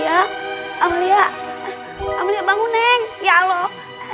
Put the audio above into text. amelie bangun ya allah